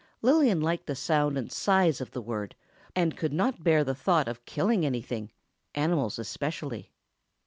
Lillian liked the sound and size of the word, and could not bear the thought of killing anything—animals especially.